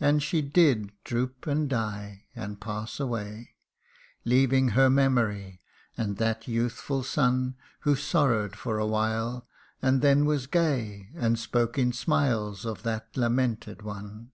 And she did droop and die, and pass away, Leaving her memory, and that youthful son 56 THE UNDYING ONE Who sorrow 'd for a while and then was gay, And spoke in smiles of that lamented one.